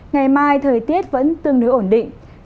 ngày mai thời tiết vẫn tương đối ổn định